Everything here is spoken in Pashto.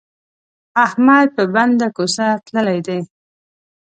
احمد په بنده کوڅه تللی دی.